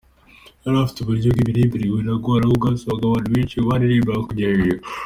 Yari afite burya uburyo bw’imiririmbire bunagorana aho bwasabaga abantu benshi baririmbaga kujya hejuru.